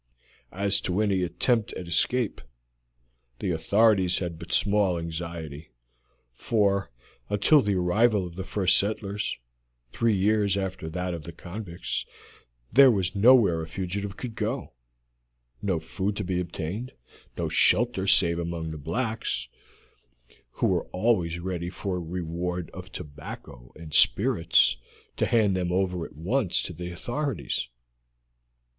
As to any attempt at escape, the authorities had but small anxiety, for until the arrival of the first settlers, three years after that of the convicts, there was nowhere a fugitive could go to, no food to be obtained, no shelter save among the blacks, who were always ready for a reward of tobacco and spirits to hand them over at once to the authorities.